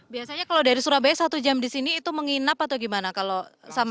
biasanya kalau dari surabaya satu jam di sini itu menginap atau gimana kalau sama